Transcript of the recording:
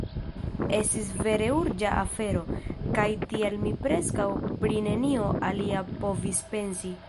Estis vere urĝa afero, kaj tial mi preskaŭ pri nenio alia povis pensi.